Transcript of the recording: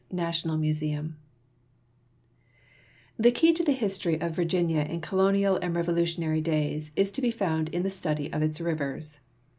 National Museum The ke}'' to the historv of Virginia in colonial and revolutionary days is to be found in the study of its rivers.